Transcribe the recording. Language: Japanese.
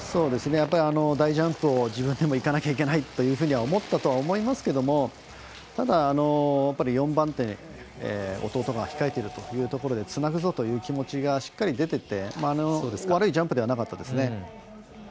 大ジャンプを自分でもいかなければいけないと自分でも思ったとは思いますけどもただ、４番手弟が控えているということでつなぐぞという気持ちがしっかりと出ていて悪いジャンプではなかったですね。